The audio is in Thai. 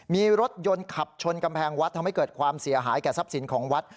มีรถยนต์ขับชนกำแพงวัดทำให้เกิดความเสียหายแก่ทรัพย์สินของวัด